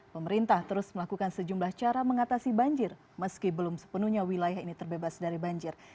pemerintah terus melakukan sejumlah cara mengatasi banjir meski belum sepenuhnya wilayah ini terbebas dari banjir